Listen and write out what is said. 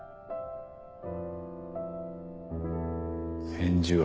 返事は？